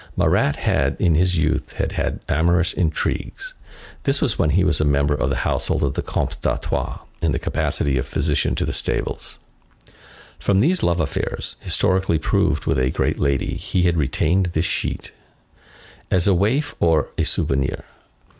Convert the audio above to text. Marat in his youth had had amorous intrigues. This was when he was a member of the household of the Comte d'Artois, in the capacity of physician to the Stables. From these love affairs, historically proved, with a great lady, he had retained this sheet. As a waif or a souvenir.